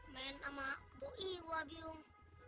main sama kebo iwa bium